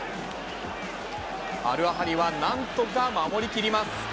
アルアハリは何とか守りきります。